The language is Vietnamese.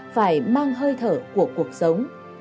phải mang hơi thở của cuộc sống